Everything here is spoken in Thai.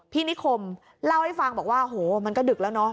นิคมเล่าให้ฟังบอกว่าโหมันก็ดึกแล้วเนอะ